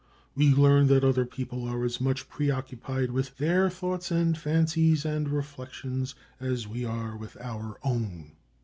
We learn that other people are as much preoccupied with their thoughts and fancies and reflections as we are with our own.